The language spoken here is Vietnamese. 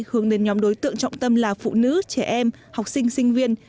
hướng đến nhóm đối tượng trọng tâm là phụ nữ trẻ em học sinh sinh viên